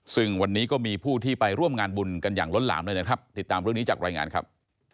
ซึ่งวันนี้ก็มีผู้ที่ไปร่วมงานบุญกันอย่างล้นหลามเลยนะครับติดตามเรื่องนี้จากรายงานครับ